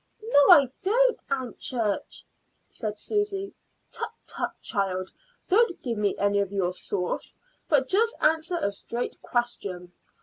"No, I don't, Aunt Church," said Susy. "Tut, tut, child! Don't give me any of your sauce, but just answer a straight question.